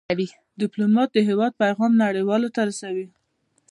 ډيپلومات د هېواد پېغام نړیوالو ته رسوي.